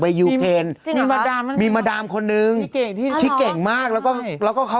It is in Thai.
เอารถยนต์กลับมาผลิตนี้มันค่อยพบก่อนค่ะ